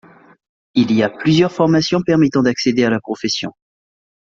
Il y a plusieurs formations permettant d'accéder à la profession.